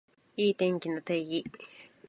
いい天気の定義